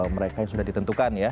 mereka yang sudah ditentukan ya